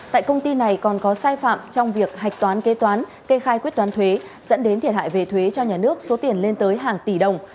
tại công ty này còn có sai phạm trong việc hạch toán kế toán kê khai quyết toán thuế dẫn đến thiệt hại về thuế cho nhà nước số tiền lên tới hàng tỷ đồng